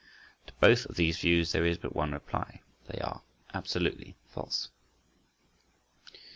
To both of these views there is but one reply:—they are absolutely false.